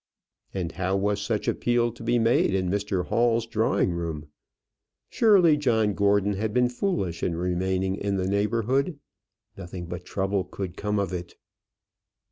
And how was such appeal to be made in Mr Hall's drawing room? Surely John Gordon had been foolish in remaining in the neighbourhood. Nothing but trouble could come of it.